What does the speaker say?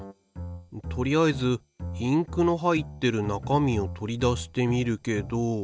とりあえずインクの入ってる中身を取り出してみるけど。